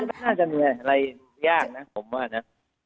น่าจะมีอะไรยากนะผมว่านะ